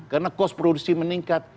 karena cost producci meningkat